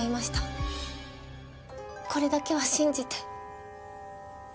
これだけは信じて。